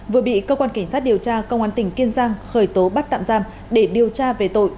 vừa bị cơ quan cảnh sát điều tra công an tỉnh kiên giang khởi tố bắt tạm giam để điều tra về tội